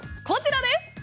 こちらです。